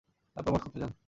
তারপর মস্কোতে যান।